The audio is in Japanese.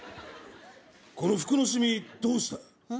この服の染みどうした？